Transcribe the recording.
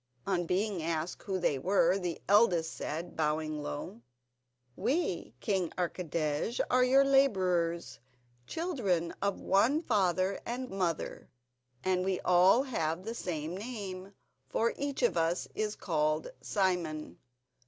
On being asked who they were, the eldest said, bowing low: "We, King Archidej, are your labourers, children of one father and mother, and we all have the same name, for each of us is called Simon.